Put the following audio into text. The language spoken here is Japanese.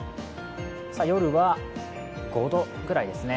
夜は５度くらいですね。